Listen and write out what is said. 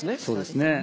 そうですね。